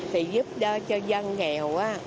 thì giúp đỡ cho dân nghèo